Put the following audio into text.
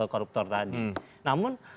koruptor tadi namun